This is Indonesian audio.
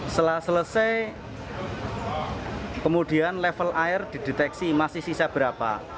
setelah selesai kemudian level air dideteksi masih sisa berapa